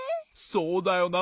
そうだよな。